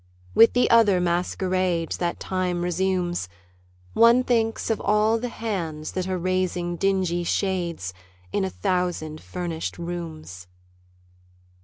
With the other masquerades That time resumes, One thinks of all the hands That are raising dingy shades In a thousand furnished rooms.